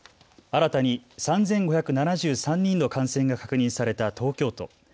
新たに３５７３人の感染が確認された東京都。